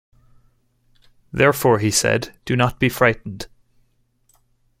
Therefore, he said, 'Do not be frightened.